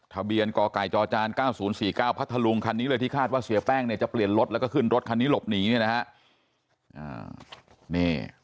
ทะเบียนกไก่จจ๙๐๔๙พัทธลุงคันนี้เลยที่คาดว่าเสียแป้งเนี่ยจะเปลี่ยนรถแล้วก็ขึ้นรถคันนี้หลบหนีเนี่ยนะฮะ